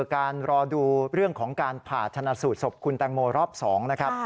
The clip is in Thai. การรอดูเรื่องของการผ่าชนะสูตรศพคุณแตงโมรอบ๒นะครับ